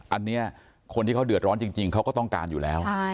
อันนี้คนที่เขาเดือดร้อนจริงเขาก็ต้องการอยู่แล้ว